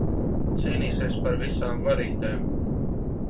Cīnīsies par visām varītēm.